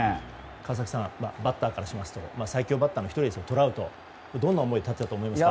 川崎さんバッターからしますと最強バッターの１人であるトラウト、どんな思いで立っていたと思いますか？